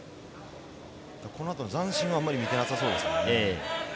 この後の残心はあまり見てなさそうですね。